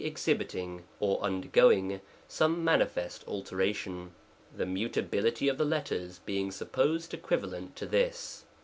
ex hibiting, or undergoing, some manifest alteration. The mutability of the letters being supposed equi o valenttothis.